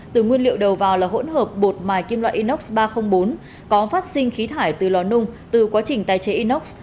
từ nguyên liệu đầu vào là hỗn hợp bột mài kim loại inox ba trăm linh bốn có phát sinh khí thải từ lò nung từ quá trình tái chế inox